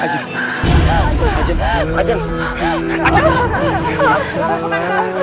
ajeng ajeng ajeng ajeng